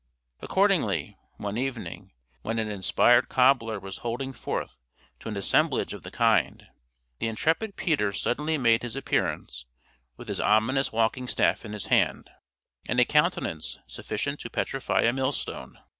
Accordingly, one evening, when an inspired cobbler was holding forth to an assemblage of the kind, the intrepid Peter suddenly made his appearance with his ominous walking staff in his hand, and a countenance sufficient to petrify a millstone.